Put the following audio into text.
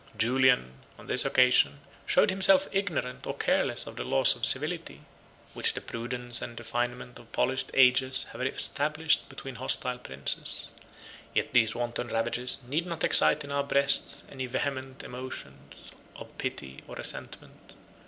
Julian, on this occasion, showed himself ignorant, or careless, of the laws of civility, which the prudence and refinement of polished ages have established between hostile princes. Yet these wanton ravages need not excite in our breasts any vehement emotions of pity or resentment.